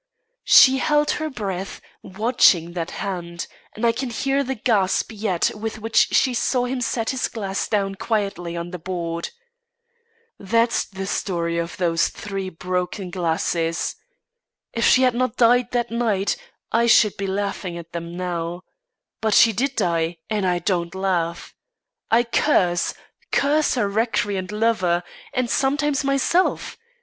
She held her breath, watching that hand; and I can hear the gasp yet with which she saw him set his glass down quietly on the board. That's the story of those three broken glasses. If she had not died that night, I should be laughing at them now; but she did die and I don't laugh! I curse curse her recreant lover, and sometimes myself!